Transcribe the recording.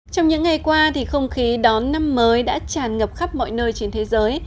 trong những ngày qua thì không khí đón năm mới đã tràn ngập khắp mọi nơi trên thế giới